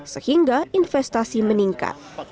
sehingga investasi meningkat